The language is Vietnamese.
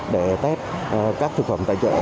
để tét các thực phẩm tại chợ